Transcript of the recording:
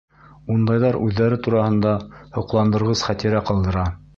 Ундайҙар үҙҙәре тураһында һоҡландырғыс хәтирә ҡалдыра.